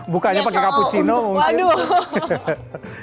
bukanya pakai cappuccino mungkin